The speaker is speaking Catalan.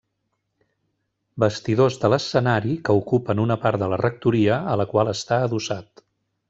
Vestidors de l'escenari que ocupen una part de la Rectoria a la qual està adossat.